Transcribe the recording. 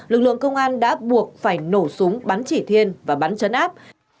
lực lượng công an đã buộc phải nổ súng bắn chỉ thiên và bắn chấn áp